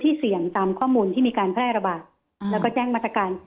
ที่มีการแพร่ระบาดแล้วก็แจ้งมาตรการ